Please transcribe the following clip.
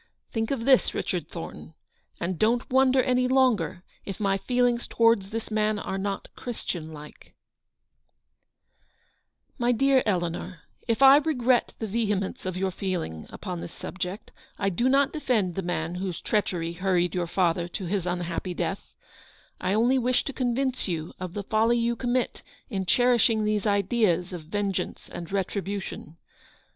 Think of this, Richard Thornton, and don't wonder any longer if my feelings towards this man are not Christian like" ft My dear Eleanor, if I regret the vehemence of your feeling upon this subject, I do not defend the man whose treachery hurried your father to his unhappy death ; I only wish to convince you of the folly you commit in cherishing these ideas of vengeance and retribution.